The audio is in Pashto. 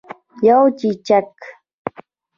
یو چکچک